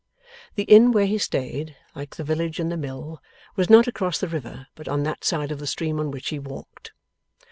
The inn where he stayed, like the village and the mill, was not across the river, but on that side of the stream on which he walked.